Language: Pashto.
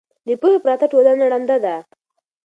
د پوهې پرته ټولنه ړنده ده.